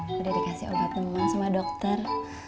udah dikasih obat sama dokter